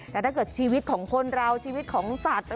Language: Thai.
แต่ถ้าเกิดชีวิตของคนเราชีวิตของสัตว์